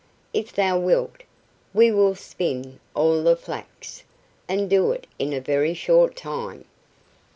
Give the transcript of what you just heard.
If thou wilt, we will spin all the flax, and do it in a very short time."